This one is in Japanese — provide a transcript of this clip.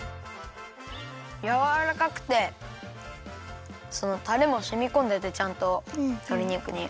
やわらかくてそのたれもしみこんでてちゃんととりにくに。